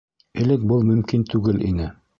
Элек был мөмкин түгел ине.